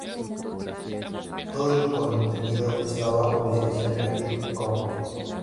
Todo el contenido está bajo licencia Creative Commons.